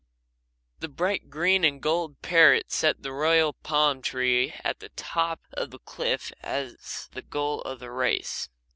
The bright green and gold parrot set the royal palm tree at the top of the cliff as the goal of the race.